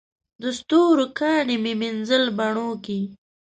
د ستورو کاڼي مې مینځل بڼوکي